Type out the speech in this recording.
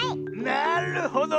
なるほど！